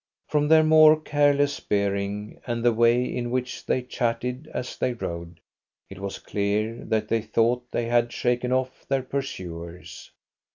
From their more careless bearing and the way in which they chatted as they rode, it was clear that they thought that they had shaken off their pursuers.